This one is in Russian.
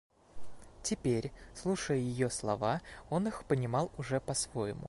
Теперь, слушая ее слова, он их понимал уже по-своему.